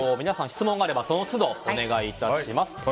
皆さん、質問があればその都度お願いします。